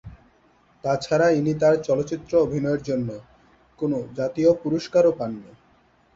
তাছাড়া ইনি তার চলচ্চিত্রে অভিনয়ের জন্য কোনো জাতীয় পুরস্কারও পাননি।